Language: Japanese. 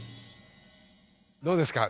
どうですか？